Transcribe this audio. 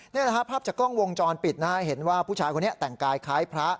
นี่แหละครับภาพจากกล้องวงจรปิดนะฮะเห็นว่าผู้ชายคนนี้แต่งกายคล้ายพระ